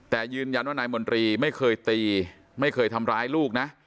แต่ยืนยันว่านายมนตรีไม่เคยตีไม่เคยทำร้ายลูกนะ